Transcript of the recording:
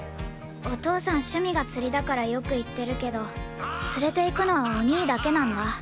お父さん趣味が釣りだからよく行ってるけど連れて行くのはお兄だけなんだ。